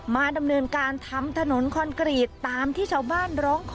มาดำเนินการทำถนนคอนกรีตตามที่ชาวบ้านร้องขอ